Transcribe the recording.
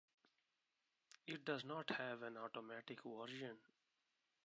It does not have an automatic version.